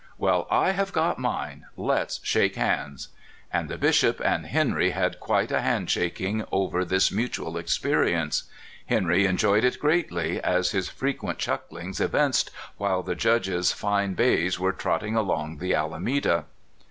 *' Well, I have got mine; let's shake hands." And the Bishop and Henry had quite a hand shaking over this mutual experience. Henry en joyed it greatly, as his frequent chucklings evinced while the judge's fine bays were trotting along the Alameda.